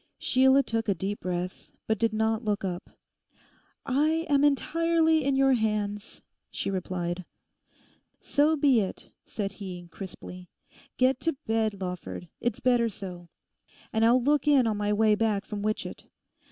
Sheila took a deep breath, but did not look up. 'I am entirely in your hands,' she replied. 'So be it,' said he crisply. 'Get to bed, Lawford; it's better so. And I'll look in on my way back from Witchett.